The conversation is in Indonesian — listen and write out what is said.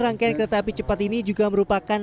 rangkaian kereta api cepat ini juga merupakan